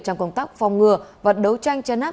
trong công tác phòng ngừa và đấu tranh chăn nát